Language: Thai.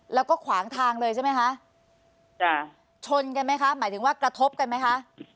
แล้วก็ขวางทางเลยใช่ไหมคะจ้ะชนกันไหมคะหมายถึงว่ากระทบกันไหมคะ